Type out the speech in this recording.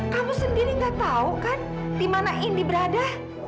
kamu sendiri gak tahu kan di mana indi berada